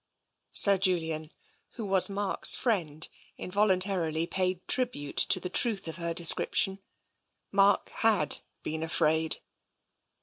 Sir Julian, who was Mark's friend, involuntarily paid tribute to the truth of her description. Mark had been afraid.